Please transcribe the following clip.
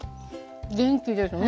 元気ですね！